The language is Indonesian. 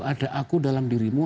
ada aku dalam dirimu